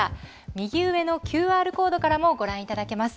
右上のＱＲコードからもご覧いただけます。